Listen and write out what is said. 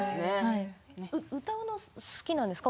歌うの好きなんですか？